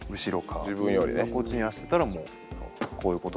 こっちに走ってたらもうこういうこと。